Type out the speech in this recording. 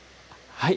はい